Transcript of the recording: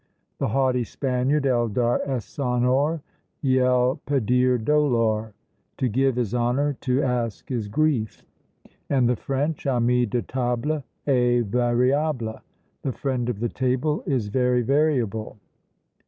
The haughty Spaniard El dar es honor, Y el pedir dolor. To give is honour, to ask is grief. And the French Ami de table Est variable. The friend of the table Is very variable.